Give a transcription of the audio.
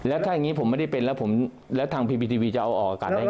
แล้วถ้าอย่างนี้ผมไม่ได้เป็นแล้วทางพีพีทีวีจะเอาออกอากาศได้ไง